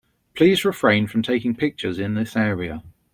Please refrain from taking pictures in this area.